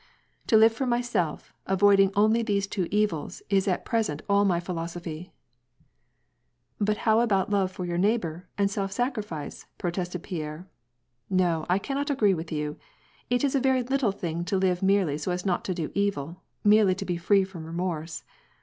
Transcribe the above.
* To live for myself, avoiding only the«e two evils, is at present all my philosophy." " But how about love for your neighbor, and self sacrifice ?" protested Pierre ;" no, I cannot agree with you. It is a very little thing to live merely so as not to do evil, merely to be free from remorse.